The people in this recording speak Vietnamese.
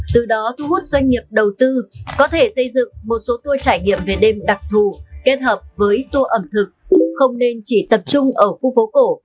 từ đó thu hút doanh nghiệp đầu tư có thể xây dựng một số tour trải nghiệm về đêm đặc thù kết hợp với tour ẩm thực không nên chỉ tập trung ở khu phố cổ